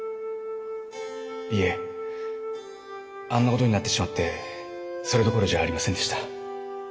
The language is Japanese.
いえあんなことになってしまってそれどころじゃありませんでした。